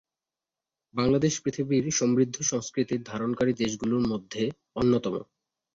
বাংলাদেশ পৃথিবীর সমৃদ্ধ সংস্কৃতির ধারণকারী দেশগুলোর মধ্যে অন্যতম।